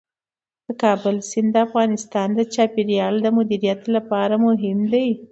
د کابل سیند د افغانستان د چاپیریال د مدیریت لپاره مهم دی.